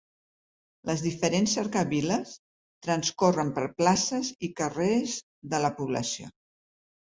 Les diferents cercaviles transcorren per places i carrers de la població.